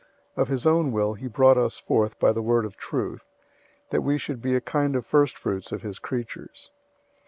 001:018 Of his own will he brought us forth by the word of truth, that we should be a kind of first fruits of his creatures.